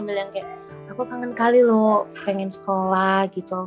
beritahu faktor information kalau kayadessus sering sampe dapet semuanya